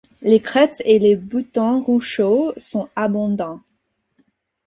Les crêtes et les buttons rocheux sont abondants.